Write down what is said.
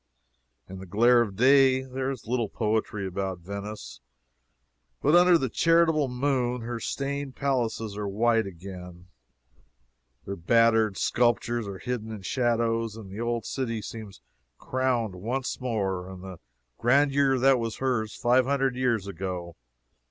In the glare of day, there is little poetry about Venice, but under the charitable moon her stained palaces are white again, their battered sculptures are hidden in shadows, and the old city seems crowned once more with the grandeur that was hers five hundred years ago.